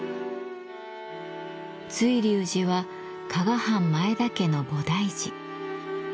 瑞龍寺は加賀藩前田家の菩提寺。